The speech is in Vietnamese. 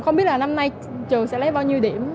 không biết là năm nay trường sẽ lấy bao nhiêu điểm